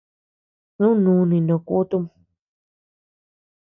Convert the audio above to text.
Snú núni no kutum.